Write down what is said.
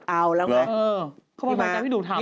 เอาแล้วค่ะเค้ามาไปจ้ะพี่หนุ่มถามตรง